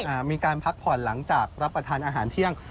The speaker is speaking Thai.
อ่ามีการพักผ่อนหลังจากรับประทานอาหารเที่ยง